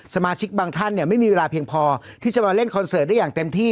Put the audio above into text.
สมาชิกบางท่านเนี่ยไม่มีเวลาเพียงพอที่จะมาเล่นคอนเสิร์ตได้อย่างเต็มที่